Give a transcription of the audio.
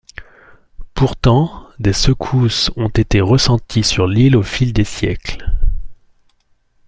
Pourtant, des secousses ont été ressenties sur l'île au fil des siècles.